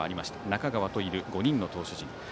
中川もいる５人の投手陣。